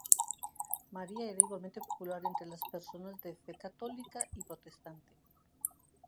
María era igualmente popular entre las personas de fe católica y protestante.